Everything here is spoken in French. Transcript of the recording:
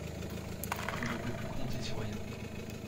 On ne peut plus compter sur rien.